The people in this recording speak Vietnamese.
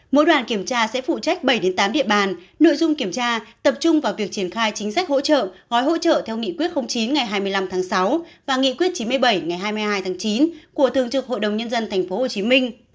mỗi đoàn kiểm tra sẽ phụ trách bảy tám địa bàn nội dung kiểm tra tập trung vào việc triển khai chính sách hỗ trợ gói hỗ trợ theo nghị quyết chín ngày hai mươi năm tháng sáu và nghị quyết chín mươi bảy ngày hai mươi hai tháng chín của thường trực hội đồng nhân dân tp hcm